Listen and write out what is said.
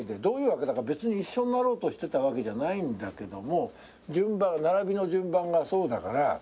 どういうわけだか別に一緒になろうとしてたわけじゃないんだけども並びの順番がそうだから。